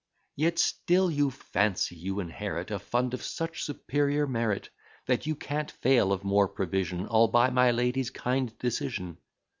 Yet still you fancy you inherit A fund of such superior merit, That you can't fail of more provision, All by my lady's kind decision.